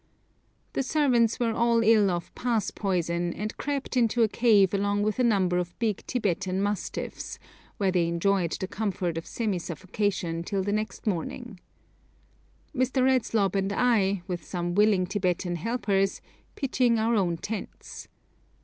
The servants were all ill of 'pass poison,' and crept into a cave along with a number of big Tibetan mastiffs, where they enjoyed the comfort of semi suffocation till the next morning, Mr. R. and I, with some willing Tibetan helpers, pitching our own tents.